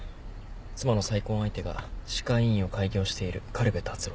妻の再婚相手が歯科医院を開業している苅部達郎。